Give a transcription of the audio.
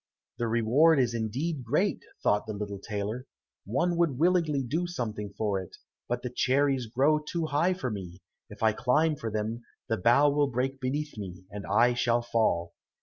"The reward is indeed great," thought the little tailor; "one would willingly do something for it, but the cherries grow too high for me, if I climb for them, the bough will break beneath me, and I shall fall."